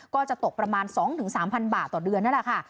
ก็จะตกประมาณ๒๓๐๐บาทต่อเดือนนั่นแหละค่ะ